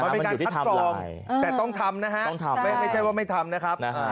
มันอยู่ที่ทำลายแต่ต้องทำนะฮะไม่ใช่ว่าไม่ทำนะครับ